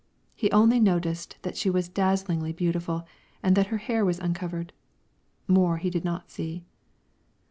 He only noticed that she was dazzlingly beautiful and that her hair was uncovered; more he did not see.